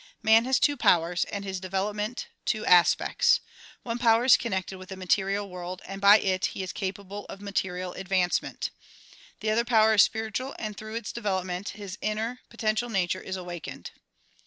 ]\Ian has two powers, and his development two aspects. One power is connected with the material world and by it he is capable of material advancement. The other powder is spiritual and through its development his inner, potential nature is awakened.